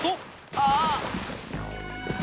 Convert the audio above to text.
ああ！